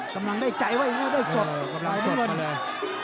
กำลังได้ใจไว้ได้สดขอบรรยาทีสดมาเลย